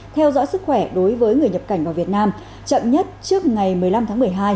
theo dõi sức khỏe đối với người nhập cảnh vào việt nam chậm nhất trước ngày một mươi năm tháng một mươi hai